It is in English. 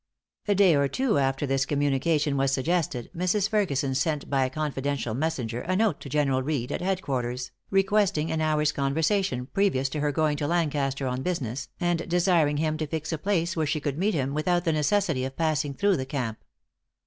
A day or two after this communication was suggested, Mrs. Ferguson sent by a confidential messenger a note to General Reed, at head quarters, requesting an hour's conversation previous to her going to Lancaster on business, and desiring him to fix a place where she could meet him without the necessity of passing through the camp.